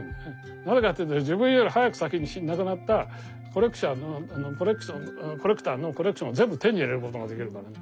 なぜかというと自分より早く先に亡くなったコレクションコレクターのコレクションを全部手に入れることができるからね。